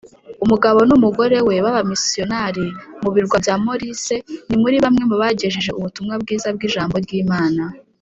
Umugabo n’ umugore we b’abamisiyonari mu birwa bya Maurice nimuri bamwe mubagejeje ubutumwa bwiza bw’ijambo ry’Imana.